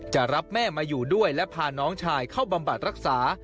จะรับแม่มาอยู่ด้วยและพาน้องชายเข้าบำบัดรักษา